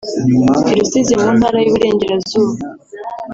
I Rusizi mu Ntara y’Iburengerazuba